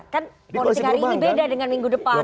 kan politik hari ini beda dengan minggu depan